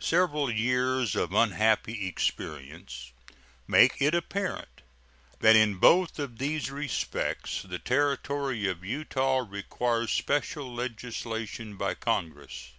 Several years of unhappy experience make it apparent that in both of these respects the Territory of Utah requires special legislation by Congress.